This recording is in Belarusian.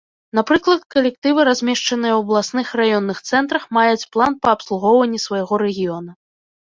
Напрыклад, калектывы, размешчаныя ў абласных і раённых цэнтрах, маюць план па абслугоўванні свайго рэгіёна.